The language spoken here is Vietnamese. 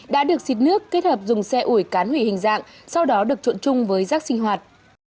đã được xịt nước kết hợp dùng xe ủi cán hủy hình dạng sau đó được trộn chung với rác sinh hoạt